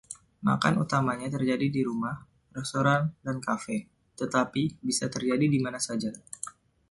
Makan utamanya terjadi di rumah, restoran, dan kafe, tetapi bisa terjadi di mana saja.